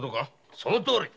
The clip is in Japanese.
そのとおり！